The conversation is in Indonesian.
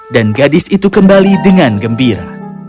dan gadis itu kembali dengan gembira